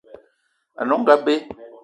Ane onga be.